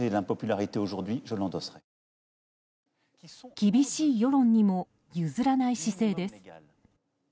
厳しい世論にも譲らない姿勢です。